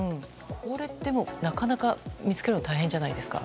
これって、なかなか見つけるの大変じゃないですか？